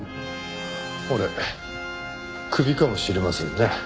俺クビかもしれませんね。